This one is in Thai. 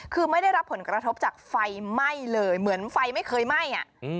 คือไม่ได้รับผลกระทบจากไฟไหม้เลยเหมือนไฟไม่เคยไหม้